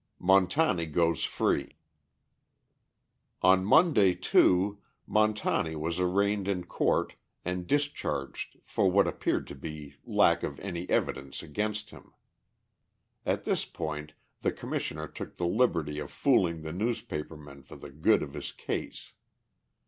Montani Goes Free On Monday, too, Montani was arraigned in court, and discharged for what appeared to be lack of any evidence against him. At this point the Commissioner took the liberty of fooling the newspaper men for the good of his case.